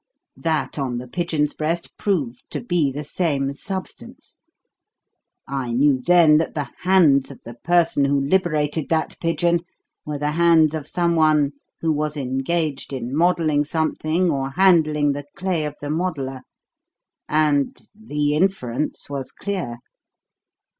That on the pigeon's breast proved to be the same substance. I knew then that the hands of the person who liberated that pigeon were the hands of someone who was engaged in modelling something or handling the clay of the modeller, and the inference was clear.